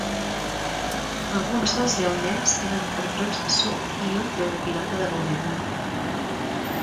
Alguns dels deu nens tenen cartrons de suc i un té una pilota de voleibol.